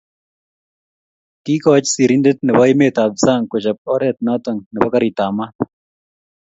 Kikoch sirindet nebo emet ab sang kochab oret noto nebo karit ab mat.